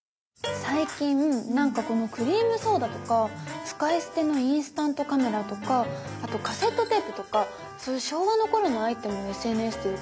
最近なんかこのクリームソーダとか使い捨てのインスタントカメラとかあとカセットテープとかそういう昭和の頃のアイテムをＳＮＳでよく見かけない？